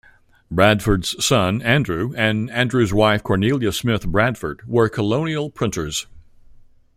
Bradford's son, Andrew, and Andrew's wife Cornelia Smith Bradford were colonial printers.